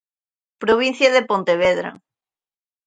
Provincia de Pontevedra.